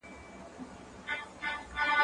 ايا ته لوښي وچوې!.